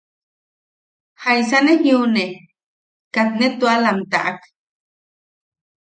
Jaisa ne jiune... katne tuala am taʼak.